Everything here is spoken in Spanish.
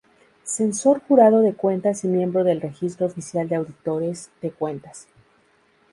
Censor Jurado de Cuentas y miembro del Registro Oficial de Auditores de Cuentas.